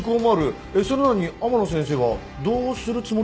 それなのに天野先生はどうするつもりなんですか？